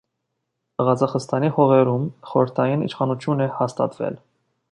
Ղազախստանի հողերում խորհրդային իշխանություն է հաստատվել։